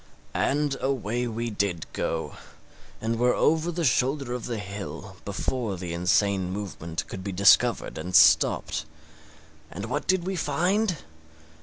And away we did go, and were over the shoulder of the hill before the insane movement could be discovered and stopped. And what did we find?